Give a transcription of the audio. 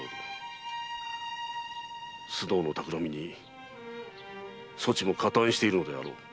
須藤の企みにそちも加担しているのであろう。